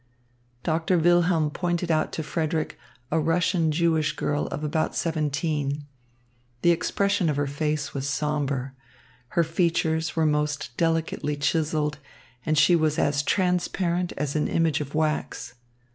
Doctor Wilhelm pointed out to Frederick a Russian Jewish girl of about seventeen. The expression of her face was sombre. Her features were most delicately chiselled, and she was as transparent as an image of wax.